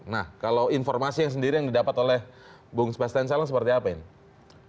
nah kalau informasi yang sendiri yang didapat oleh bung sebastian salang seperti apa ini